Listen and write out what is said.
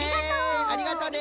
ありがとう！